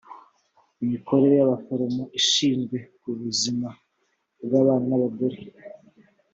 imikorere y abaforomo ishinzwe ubuzima bw abana n abagore